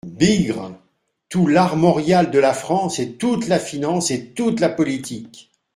Bigre ! tout l'armorial de la France, et toute la finance, et toute la politique.